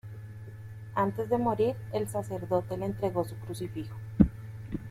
Antes de morir, el sacerdote le entregó su crucifijo.